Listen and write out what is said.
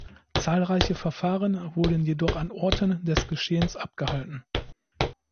Zahlreiche Verfahren wurden jedoch an Orten des Geschehens abgehalten.